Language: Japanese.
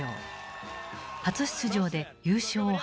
初出場で優勝を果たす。